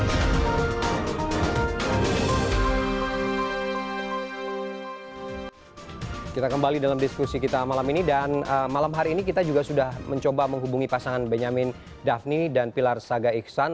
kita kembali dalam diskusi kita malam ini dan malam hari ini kita juga sudah mencoba menghubungi pasangan benyamin daphne dan pilar saga iksan